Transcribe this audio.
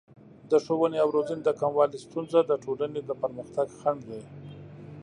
د ښوونې او روزنې د کموالي ستونزه د ټولنې د پرمختګ خنډ دی.